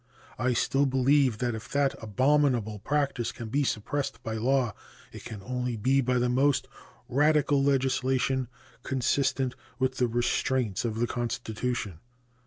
I still believe that if that abominable practice can be suppressed by law it can only be by the most radical legislation consistent with the restraints of the Constitution.